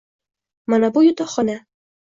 Mana bu yotoqxona.